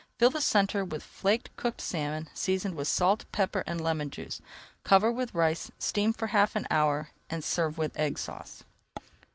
Fill the center with flaked cooked salmon, seasoned with salt, pepper and lemon juice, cover with rice, steam for half an hour and serve with Egg Sauce.